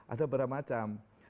ada berapa macam